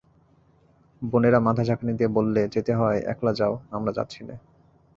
বোনেরা মাথা ঝাঁকানি দিয়ে বললে, যেতে হয় একলা যাও, আমরা যাচ্ছি নে।